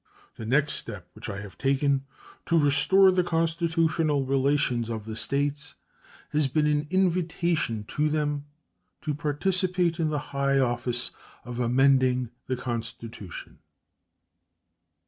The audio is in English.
The next step which I have taken to restore the constitutional relations of the States has been an invitation to them to participate in the high office of amending the Constitution.